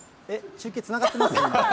中継つながってます？